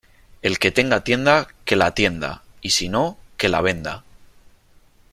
El que tenga tienda que la atienda, y si no que la venda.